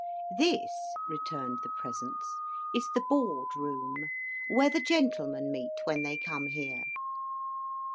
"This," returned the presence, "is the Board Room. Where the gentlemen meet when they come here."